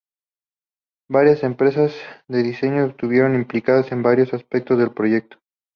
Varias empresas de diseño estuvieron implicadas en varios aspectos del proyecto.